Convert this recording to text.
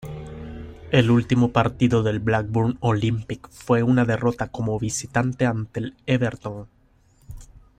El último partido del Blackburn Olympic fue una derrota como visitante ante el Everton.